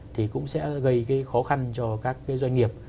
thì cũng sẽ gây cái khó khăn cho các cái doanh nghiệp